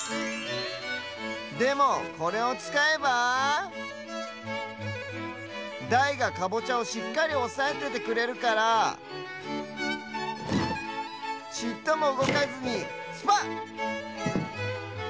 でもこれをつかえばだいがかぼちゃをしっかりおさえててくれるからちっともうごかずにスパッ！